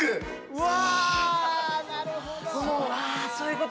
うわ！